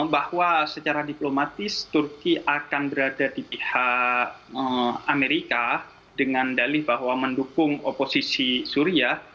bahwa secara diplomatis turki akan berada di pihak amerika dengan dalih bahwa mendukung oposisi syria